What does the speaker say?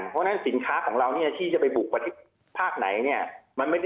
เพราะฉะนั้นสินค้าของเราที่จะไปบุคว่าที่ภาคไหน